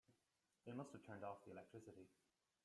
They must have turned off the electricity.